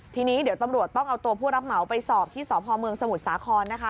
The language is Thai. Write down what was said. ทีนี้เดี๋ยวตำรวจต้องเอาตัวผู้รับเหมาไปสอบที่สพเมืองสมุทรสาครนะคะ